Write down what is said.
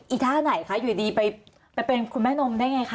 ท่าไหนคะอยู่ดีไปเป็นคุณแม่นมได้ไงคะ